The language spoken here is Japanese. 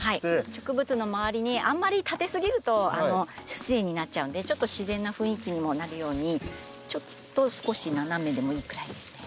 植物の周りにあんまり立て過ぎると不自然になっちゃうのでちょっと自然な雰囲気にもなるようにちょっと少し斜めでもいいくらいですね。